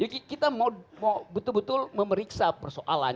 jadi kita mau betul betul memeriksa persoalan